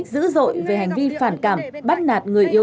hoàng văn eng nhé